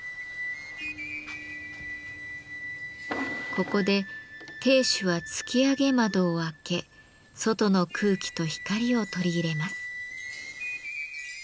ここで亭主は突き上げ窓を開け外の空気と光を取り入れます。